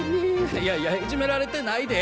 いやいやいじめられてないで。